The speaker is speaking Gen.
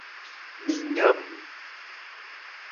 Mi nyam.